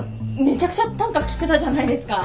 めちゃくちゃたんか切ってたじゃないですか。